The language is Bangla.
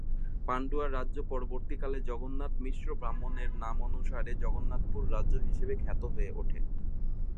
পান্ডুয়া রাজ্য পরবর্তীকালে জগন্নাথ মিশ্র ব্রাহ্মণের নামানুসারে জগন্নাথপুর রাজ্য হিসেবে খ্যাত হয়ে ওঠে।